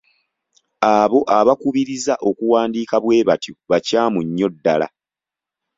Abo abakubiriza okuwandiika bwe batyo bakyamu nnyo ddala.